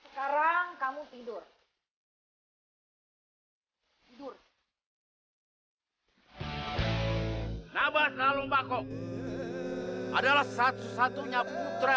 sekarang kamu tidur